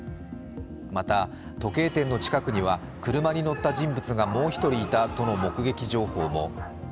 また時計店の近くには車に乗った人物がもう１人いたとの目撃情報も。